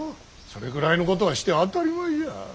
それぐらいのことはして当たり前じゃ。